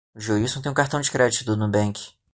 O Jorilson tem um cartão de crédito do Nubank.